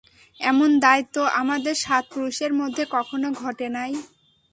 এমন দায় তো আমাদের সাত পুরুষের মধ্যে কখনো ঘটে নাই।